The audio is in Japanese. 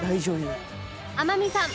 天海さん